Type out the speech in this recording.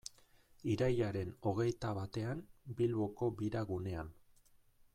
Irailaren hogeita batean, Bilboko Bira gunean.